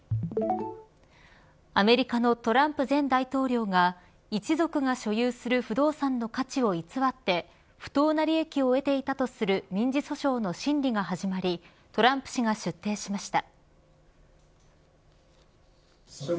アメリカのトランプ前大統領が一族が所有する不動産の価値を偽って不当な利益を得ていたとする民事訴訟の審理が始まりトランプ氏が出廷しました。